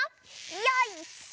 よいしょ！